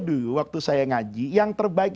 dulu waktu saya ngaji yang terbaik